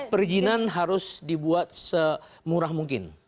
perizinan harus dibuat semurah mungkin